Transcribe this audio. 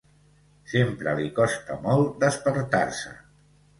Sempre li costa molt despertar-se.